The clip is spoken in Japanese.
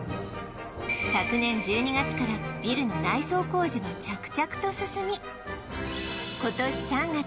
昨年１２月からビルの内装工事は着々と進み今年３月